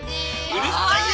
うるさいよ